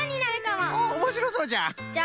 おおおもしろそうじゃ。